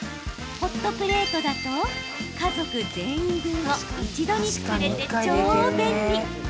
ホットプレートだと家族全員分を一度に作れて超便利。